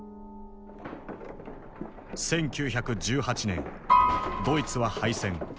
１９１８年ドイツは敗戦。